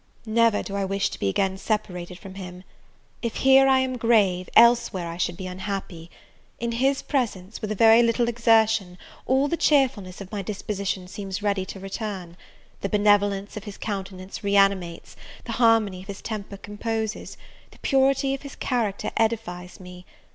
Never do I wish to be again separated from him. If here I am grave, elsewhere I should be unhappy. In his presence, with a very little exertion, all the cheerfulness of my disposition seems ready to return; the benevolence of his countenance reanimates, the harmony of his temper composes, the purity of his character edifies me!